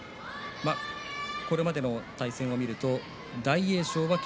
これまでの対戦を見ると大栄翔は霧